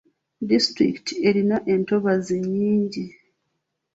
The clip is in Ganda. Disitulikiti erina entobazi nnyingi.